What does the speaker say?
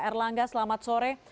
erlangga selamat sore